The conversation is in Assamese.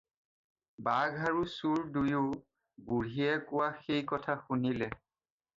বাঘ আৰু চোৰ দুয়ো বুঢ়ীয়ে কোৱা সেই কথাষাৰ শুনিলে।